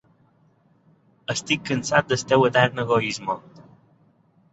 Estic cansat del teu etern egoisme!